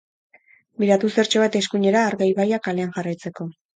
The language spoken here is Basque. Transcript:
Biratu zertxobait eskuinera Arga Ibaia kalean jarraitzeko.